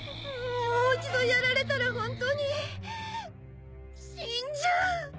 もう一度やられたら本当に死んじゃう。